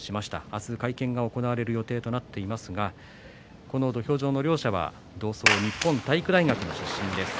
明日会見が行われる予定となっていますがこの土俵上の両者は同窓、日本体育大学の出身です。